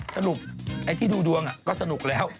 สรุปไอ้ที่ดูดวงก็สนุกแล้ว